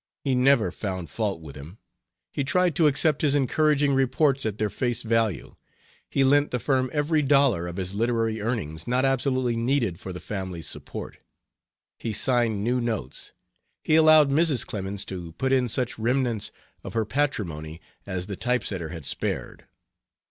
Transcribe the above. He never found fault with him; he tried to accept his encouraging reports at their face value. He lent the firm every dollar of his literary earnings not absolutely needed for the family's support; he signed new notes; he allowed Mrs. Clemens to put in such remnants of her patrimony as the type setter had spared.